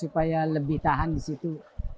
supaya lebih tahan di situ